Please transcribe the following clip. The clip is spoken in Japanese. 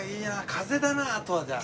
風だなあとはじゃあ。